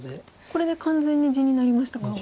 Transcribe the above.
これで完全に地になりましたか？